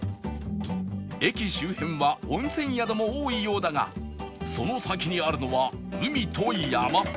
駅周辺は温泉宿も多いようだがその先にあるのは海と山